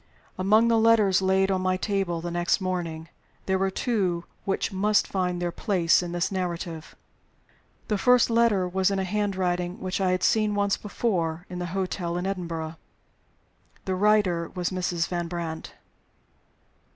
Among the letters laid on my table the next morning there were two which must find their place in this narrative. The first letter was in a handwriting which I had seen once before, at the hotel in Edinburgh. The writer was Mrs. Van Brandt.